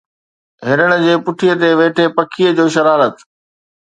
هرڻ جي پٺيءَ تي ويٺي پکيءَ جو شرارت